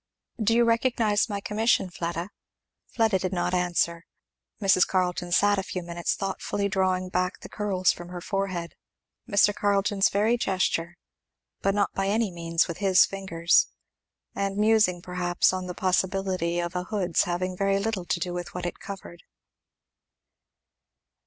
"Do you recognize my commission, Fleda?" Fleda did not answer. Mrs. Carleton sat a few minutes thoughtfully drawing back the curls from her forehead, Mr. Carleton's very gesture, but not by any means with his fingers; and musing perhaps on the possibility of a hood's having very little to do with what it covered.